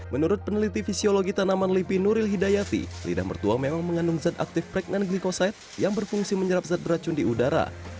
menurut peneliti fisiologi tanaman lipi nuril hidayati lidah mertua memang mengandung zat aktif preknan glikoside yang berfungsi menyerap zat beracun di udara